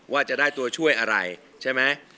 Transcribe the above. ว่าจะได้ตัวช่วยอะไรใช่ไหม